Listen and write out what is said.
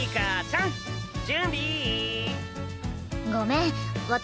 ごめん私